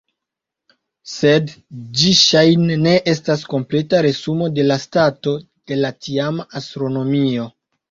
Sed ĝi ŝajne ne estas kompleta resumo de la stato de la tiama astronomio.